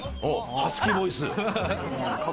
ハスキーボイス。